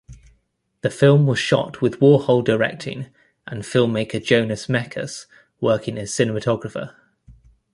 The film was shot with Warhol directing and filmmaker Jonas Mekas working as cinematographer.